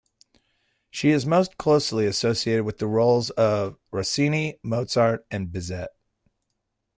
She is most closely associated with the roles of Rossini, Mozart, and Bizet.